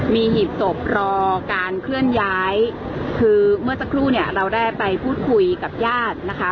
มีหีบศพรอการเคลื่อนย้ายคือเมื่อสักครู่เนี่ยเราได้ไปพูดคุยกับญาตินะคะ